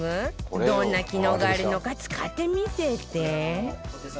どんな機能があるのか使って見せて